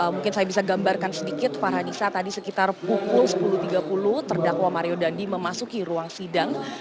mungkin saya bisa gambarkan sedikit farhanisa tadi sekitar pukul sepuluh tiga puluh terdakwa mario dandi memasuki ruang sidang